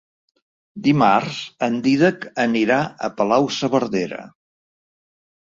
Dimarts en Dídac anirà a Palau-saverdera.